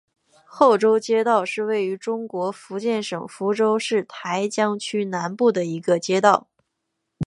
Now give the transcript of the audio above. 后洲街道是位于中国福建省福州市台江区南部的一个街道。